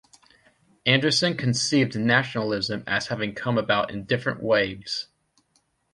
Anderson conceived nationalism as having come about in different waves.